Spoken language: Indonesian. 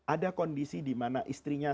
ada kondisi dimana istrinya